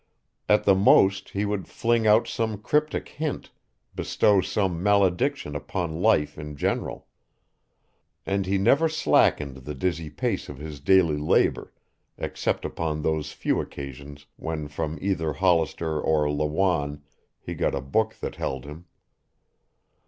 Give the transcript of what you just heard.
At the most he would fling out some cryptic hint, bestow some malediction upon life in general. And he never slackened the dizzy pace of his daily labor, except upon those few occasions when from either Hollister or Lawanne he got a book that held him.